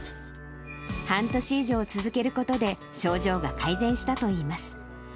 半年以上続けることで、症状が改善したといいます。